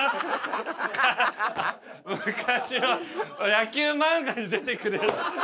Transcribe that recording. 昔の野球漫画に出てくるやつ。